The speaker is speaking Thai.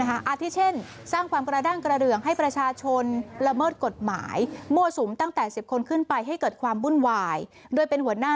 อาทิเช่นสร้างความกระด้างกระเรืองให้ประชาชนละเมิดกฎหมาย